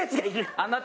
あなた。